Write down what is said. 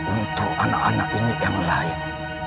untuk anak anak ini yang lain